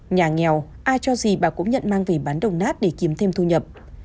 nhà nghèo ai cho gì bà cũng nhận mang về bán đồng nát để kiếm thêm thu nhập